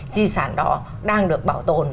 di sản đó đang được bảo tồn